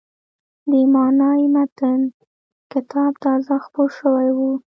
د «معنای متن» کتاب تازه خپور شوی و.